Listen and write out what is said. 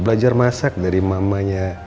belajar masak dari mamanya